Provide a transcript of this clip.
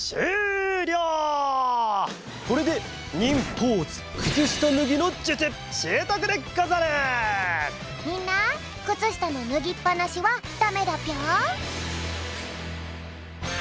これでみんなくつしたのぬぎっぱなしはだめだぴょん。